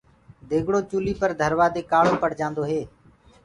ديگڙو چُولي پر ڌروآ دي ڪآݪو پڙجآندو هي۔